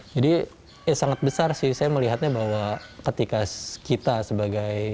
jadi sangat besar sih saya melihatnya bahwa ketika kita sebagai